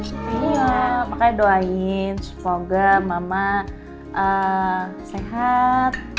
iya makanya doain semoga mama sehat